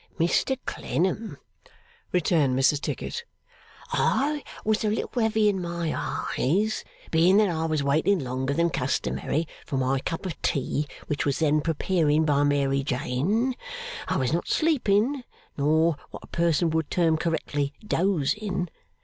'Mr Clennam,' returned Mrs Tickit, 'I was a little heavy in my eyes, being that I was waiting longer than customary for my cup of tea which was then preparing by Mary Jane. I was not sleeping, nor what a person would term correctly, dozing.